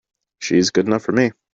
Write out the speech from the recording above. She's good enough for me!